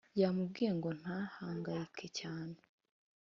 yamubwiye ngo ntahangayike cyane